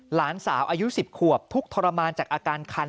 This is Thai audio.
หลานสาวอายุ๑๐ขวบทุกข์ทรมานจากอาการคัน